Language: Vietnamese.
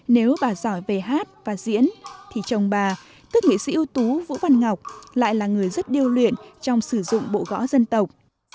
nếu bà giỏi về hát và diễn thì chồng bà tức nghệ sĩ ưu tú vũ văn ngọc lại là người rất điêu luyện trong sử dụng bộ gõ dân tộc